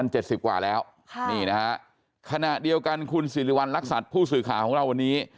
ใช่ครับ๑๐๗๐กว่าแล้วขณะเดียวกันคุณสิริวัลลักษัตริย์ผู้สื่อข่าวของเราวันนี้